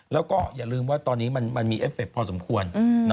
แล้วก็อย่าลืมว่าตอนนี้มันมีเอฟเคพอสมควร